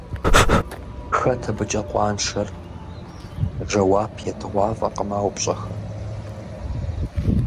Хэт абыкӀэ къуаншэр? Жэуап етыгъуафӀэкъым а упщӀэхэм.